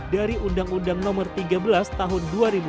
dari undang undang nomor tiga belas tahun dua ribu dua